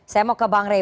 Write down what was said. saya mau ke bang rey